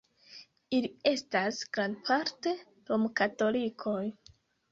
Ili estas grandparte rom-katolikoj.